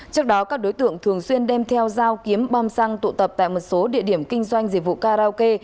trước đó các đối tượng thường xuyên đem theo dao kiếm bom xăng tụ tập tại một số địa điểm kinh doanh dịch vụ karaoke